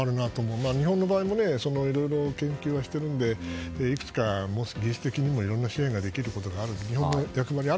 まあ、日本の場合もいろいろ研究はしているのでいくつか技術的にいろんな支援ができたりするかもね。